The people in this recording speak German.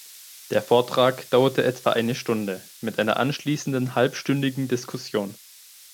Der Vortrag dauerte etwa eine Stunde mit einer anschließenden halbstündigen Diskussion.